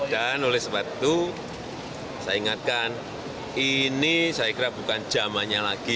dan oleh sebab itu saya ingatkan ini saya kira bukan zamannya lagi